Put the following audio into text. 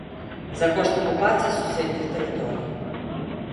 За кошт акупацыі суседніх тэрыторый.